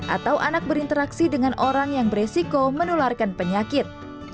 atau anak berinteraksi dengan orang yang beresiko menularkan penyakit